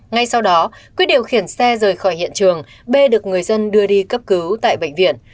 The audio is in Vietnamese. ngay sau đó quyết điều khiển xe rời khỏi hiện trường bê được người dân đưa đi cấp cứu tại bệnh viện